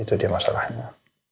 itu dia masalahnya